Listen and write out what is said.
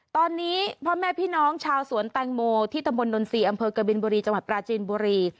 ตอนนี้พ่อแม่พี่น้องชาวสวนแตงโมที่ตำบลนนทรีย์อำเภอกบินบุรีจังหวัดปราจีนบุรี